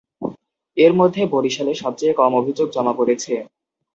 এর মধ্যে বরিশালে সবচেয়ে কম অভিযোগ জমা পড়েছে।